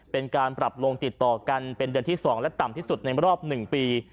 เป็นการปรับลงติดต่อกันเป็นเดือนที่๒และต่ำที่สุดในรอบ๑ปี